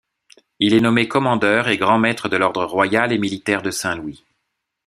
Il est nommé commandeur et grand-maître de l'Ordre royal et militaire de Saint-Louis.